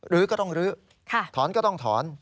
ก็ต้องลื้อถอนก็ต้องถอน